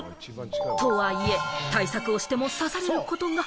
とはいえ、対策をしても刺されることが。